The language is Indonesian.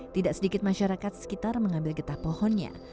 tidak sedikit masyarakat sekitar mengambil getah pohonnya